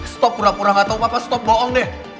stop pura pura gak tau papa stop bohong deh